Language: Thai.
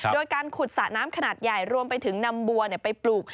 โดยการขุดสระน้ำขนาดใหญ่รวมไปถึงนำบัวไปปลูก